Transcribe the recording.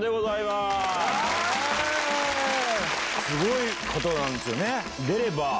すごい方なんですよね。